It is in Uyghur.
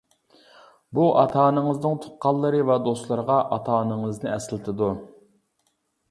بۇ ئاتا-ئانىڭىزنىڭ تۇغقانلىرى ۋە دوستلىرىغا ئاتا-ئانىڭىزنى ئەسلىتىدۇ.